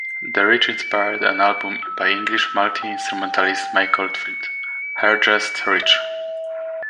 The ridge inspired an album by English multi-instrumentalist Mike Oldfield, "Hergest Ridge".